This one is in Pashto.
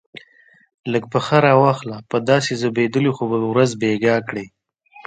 لږ پښه را واخله، په داسې ځبېدلو خو به ورځ بېګا کړې.